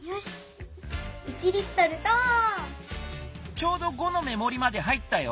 ちょうど５の目もりまで入ったよ。